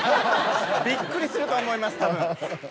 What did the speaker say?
びっくりすると思いますたぶん。